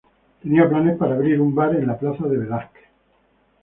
Tenía planes para abrir un bar en la Plaza de Velázquez.